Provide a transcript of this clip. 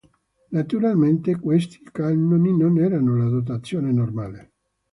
Naturalmente, questi cannoni non erano la dotazione normale.